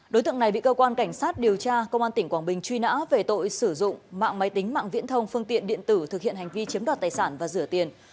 đối tượng này bị cơ quan cảnh sát điều tra công an tỉnh quảng bình truy nã về tội sử dụng mạng máy tính mạng viễn thông phương tiện điện tử thực hiện hành vi chiếm đoạt tài sản và rửa tiền